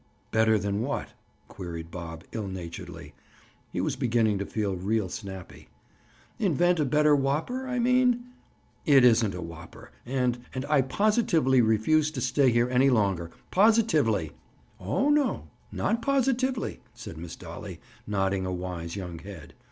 "Better than what?" queried Bob ill naturedly. He was beginning to feel real snappy. "Invent a better whopper, I mean?" "It isn't a whopper, and—and I positively refuse to stay here any longer. Positively!" "Oh, no; not positively," said Miss Dolly, nodding a wise young head.